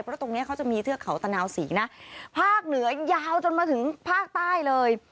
เพราะตรงเนี้ยเขาจะมีเทือกเขาตะนาวศรีนะภาคเหนือยาวจนมาถึงภาคใต้เลย